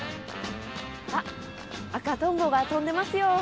あっ赤トンボが飛んでますよ。